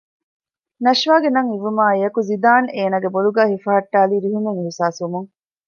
ނަޝްވާގެ ނަން އިވުމާއިއެކު ޒިދާން އޭނާގެ ބޮލުގައި ހިފަހައްޓާލީ ރިހުމެއް އިހުސާސްވުމުން